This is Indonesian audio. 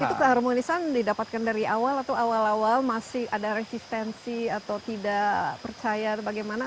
itu keharmonisan didapatkan dari awal atau awal awal masih ada resistensi atau tidak percaya atau bagaimana